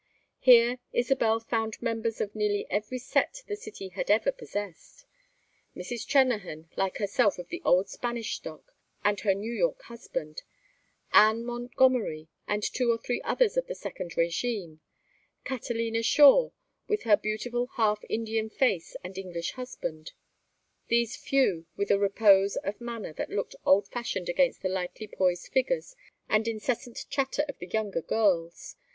Here, Isabel found members of nearly every set the city had ever possessed: Mrs. Trennahan, like herself of the old Spanish stock, and her New York husband; Anne Montgomery and two or three others of the second régime; Catalina Shore, with her beautiful half Indian face and English husband; these few with a repose of manner that looked old fashioned against the lightly poised figures and incessant chatter of the younger girls.